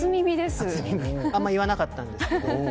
あんまり言わなかったんですが。